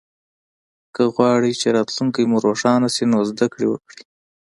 که غواړی چه راتلونکې مو روښانه شي نو زده ګړې وکړئ